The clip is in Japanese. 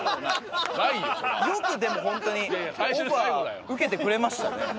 よくでもホントにオファー受けてくれましたね。